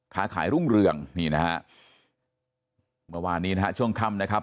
ค้าขายรุ่งเรืองนี่นะฮะเมื่อวานนี้นะฮะช่วงค่ำนะครับ